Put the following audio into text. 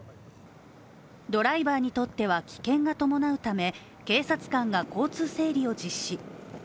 ドライバーにとっては危険が伴うため警察官が交通整理を実施。